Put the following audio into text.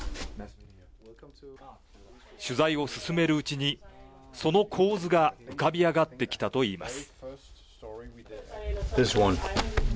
取材を進めるうちに、その構図が浮かび上がってきたといいます。